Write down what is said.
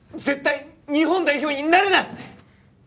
絶対日本代表になれない！